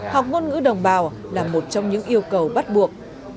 học ngôn ngữ đồng bào là một trong những yêu cầu bắt buộc